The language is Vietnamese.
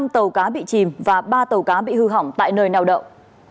năm tàu cá bị chìm và ba tàu cá bị hư hỏng tại nơi nào động